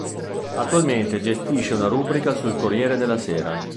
Attualmente gestisce una rubrica sul Corriere della Sera.